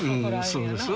そうです。